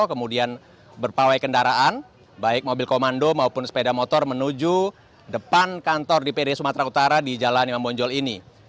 kemudian berpawai kendaraan baik mobil komando maupun sepeda motor menuju depan kantor dpd sumatera utara di jalan imam bonjol ini